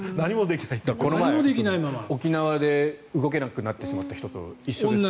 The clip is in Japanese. この前、沖縄で動けなくなってしまった人と一緒ですよね。